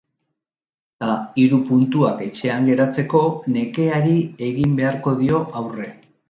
Ta hiru puntuak etxean geratzeko nekeari egin beharko dio aurre.